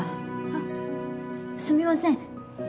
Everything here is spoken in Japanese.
あっすみません。